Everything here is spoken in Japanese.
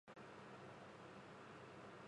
仲良くないですよ